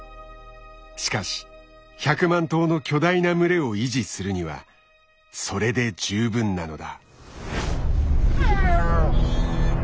しかし１００万頭の巨大な群れを維持するにはそれで十分なのだ。